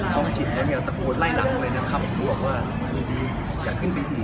ก็ที่เหมือนปุ่มไม่รู้ว่าซึ่งอีกอยู่